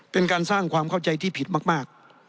เป็นการสร้างความเข้าใจที่ผิดมาก